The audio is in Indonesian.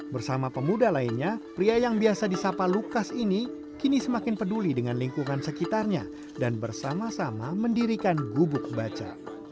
bersama pemuda lainnya pria yang biasa disapa lukas ini kini semakin peduli dengan lingkungan sekitarnya dan bersama sama mendirikan gubuk baca